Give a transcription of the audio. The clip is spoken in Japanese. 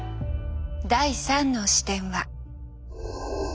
第３の視点は。